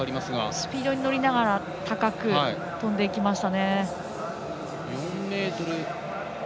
スピードに乗りながら高く跳んでいきました。